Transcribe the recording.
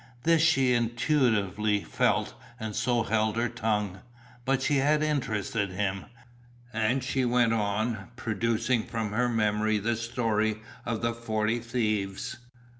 This she intuitively felt and so held her tongue. But she had interested him, and she went on, producing from her memory the story of the Forty Thieves.